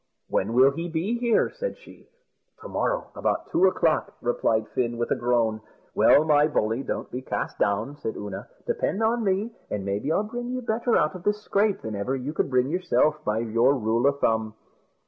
"When will he be here?" said she. "To morrow, about two o'clock," replied Fin, with a groan. "Well, my bully, don't be cast down," said Oonagh; "depend on me, and maybe I'll bring you better out of this scrape than ever you could bring yourself, by your rule o' thumb."